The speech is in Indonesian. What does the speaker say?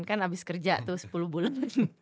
kan abis kerja tuh sepuluh bulan